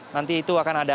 nanti itu akan ada